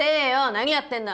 何やってんだ！